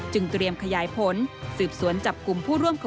เตรียมขยายผลสืบสวนจับกลุ่มผู้ร่วมก่อ